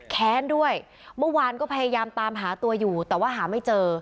แค้นด้วยเมื่อวานก็พยายามตามหาตัวอยู่แต่ว่าหาไม่เจอ